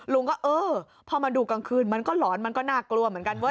ลุงก็เออพอมาดูกลางคืนมันก็หลอนมันก็น่ากลัวเหมือนกันว่า